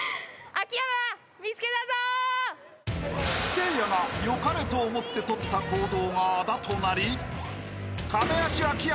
［せいやがよかれと思って取った行動があだとなりカメアシ秋山